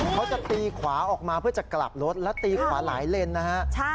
เขาจะตีขวาออกมาเพื่อจะกลับรถแล้วตีขวาหลายเลนนะฮะ